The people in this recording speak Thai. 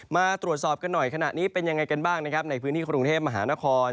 มาตรวจสอบกันหน่อยขณะนี้เป็นยังไงกันบ้างนะครับในพื้นที่กรุงเทพมหานคร